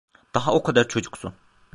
Daha o kadar çocuksun.